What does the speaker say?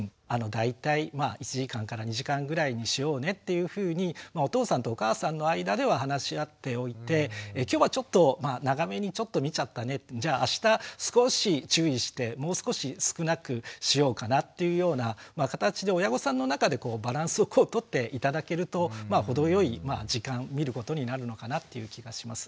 大体１時間から２時間ぐらいにしようねっていうふうにお父さんとお母さんの間では話し合っておいて今日はちょっと長めにちょっと見ちゃったねじゃああした少し注意してもう少し少なくしようかなっていうような形で親御さんの中でバランスを取って頂けると程良い時間見ることになるのかなっていう気がします。